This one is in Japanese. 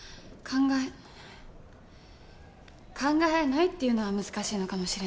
考えないっていうのは難しいのかもしれないけど。